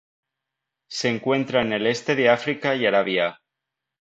Se encuentra en el este de África y Arabia.